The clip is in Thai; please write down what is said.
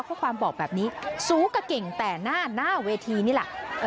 ข้อความบอกแบบนี้สูงก็เก่งแต่หน้าหน้าเวทีนี่แหละ